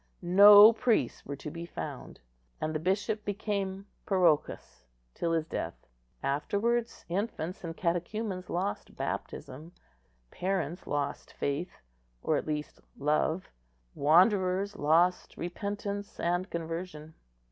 No priests were to be found, and the bishop became parochus till his death. Afterwards infants and catechumens lost baptism; parents lost faith, or at least love; wanderers lost repentance and conversion.